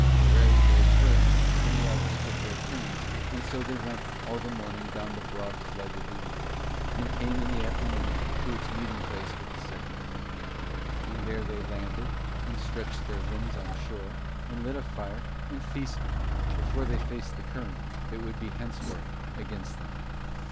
Perez rowed first and the others took their turns and so they went all the morning down the broad flood of the Ebro, and came in the afternoon to its meeting place with the Segre. And there they landed and stretched their limbs on shore and lit a fire and feasted, before they faced the current that would be henceforth against them.